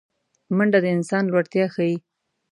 منډه د انسان لوړتیا ښيي